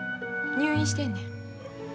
入院してんねん。